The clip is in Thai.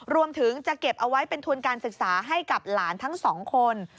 รวมถึงจะเก็บเอาไว้เป็นทุนการศึกษาให้กับหลานทั้งสองคน